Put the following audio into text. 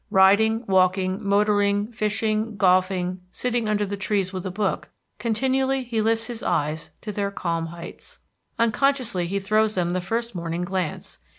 Riding, walking, motoring, fishing, golfing, sitting under the trees with a book, continually he lifts his eyes to their calm heights. Unconsciously he throws them the first morning glance.